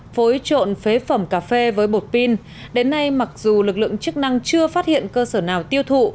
phối trộn phế phẩm cà phê với bột pin đến nay mặc dù lực lượng chức năng chưa phát hiện cơ sở nào tiêu thụ